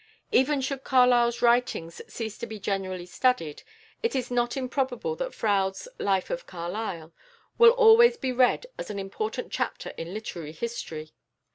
Even should Carlyle's writings cease to be generally studied, it is not improbable that Froude's "Life of Carlyle" will always be read as an important chapter in literary history.